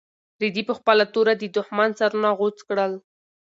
رېدي په خپله توره د دښمن سرونه غوڅ کړل.